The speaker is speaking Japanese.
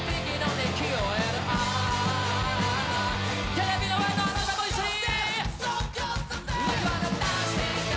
テレビの前のあなたも一緒に！